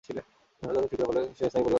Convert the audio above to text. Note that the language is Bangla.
সাক্ষাৎটা ঠিকঠাক হলে, সে স্থায়ী পরিবার পাবে।